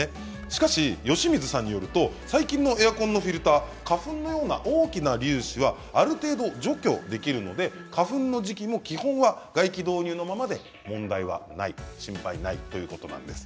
しかし由水さんによると最近のエアコンのフィルターは花粉のような大きな粒子はある程度、除去できるので花粉の時期も基本は外気導入のままで問題ない心配ないということなんです。